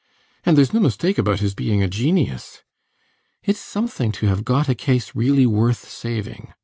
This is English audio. And theres no mistake about his being a genius. It's something to have got a case really worth saving.